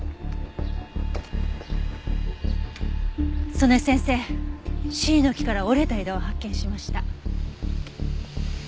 曽根先生シイの木から折れた枝を発見しました。